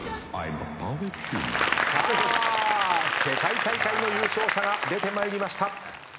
さあ世界大会の優勝者が出てまいりました。